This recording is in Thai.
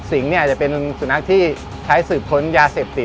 สิงห์จะเป็นสุนัขที่ใช้สื่อพ้นยาเสพติด